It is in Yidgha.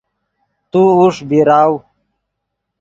تو اوݰ بیراؤ